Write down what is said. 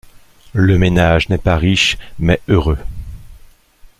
Le ménage n'est pas riche mais heureux.